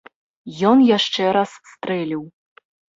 Ён яшчэ раз стрэліў.